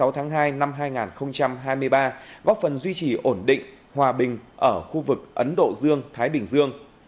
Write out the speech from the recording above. hai mươi tháng hai năm hai nghìn hai mươi ba góp phần duy trì ổn định hòa bình ở khu vực ấn độ dương thái bình dương